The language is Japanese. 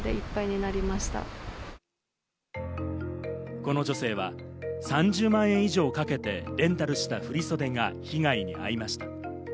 この女性は３０万円以上かけてレンタルした振り袖が被害に遭いました。